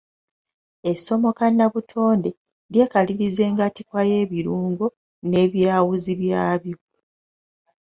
Essomo kannabutonde eryekaliriza engattikwa y'ebirungo n'ebyawuzi byabyo.